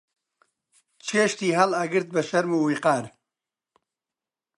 چێشتی هەڵئەگرت بە شەرم و ویقار